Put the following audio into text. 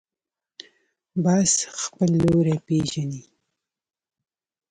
باز خپل لوری پېژني